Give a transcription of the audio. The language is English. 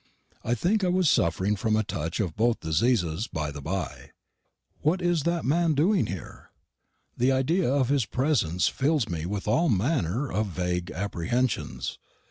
I think I was suffering from a touch of both diseases, by the bye. What is that man doing here? The idea of his presence fills me with all manner of vague apprehensions.